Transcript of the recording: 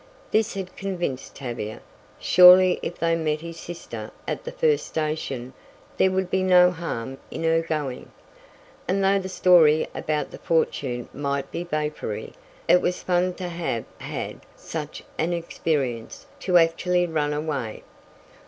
This had convinced Tavia. Surely if they met his sister at the first station, there could be no harm in her going. And though the story about the fortune might be vapory, it was fun to have had such an experience to actually run away!